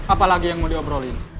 apalagi yang mau diobrolin